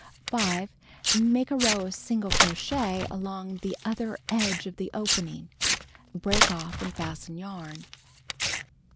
5. Make a row of single crochet along the other edge of the (jpening. Break ofT and fasten yarn.